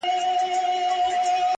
چي ژوندى يم همېشه به مي دا كار وي -